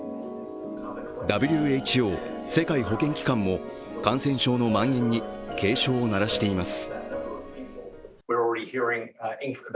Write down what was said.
ＷＨＯ＝世界保健機関も感染症のまん延に警鐘を鳴らしています。